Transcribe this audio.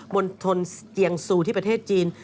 ณฑนเจียงซูที่ประเทศจีน